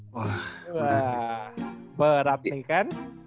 wah berat nih kan